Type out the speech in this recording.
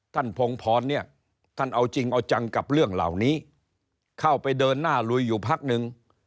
พงพรเนี่ยท่านเอาจริงเอาจังกับเรื่องเหล่านี้เข้าไปเดินหน้าลุยอยู่พักนึง